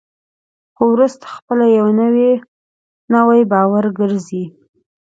خو وروسته خپله یو نوی باور ګرځي.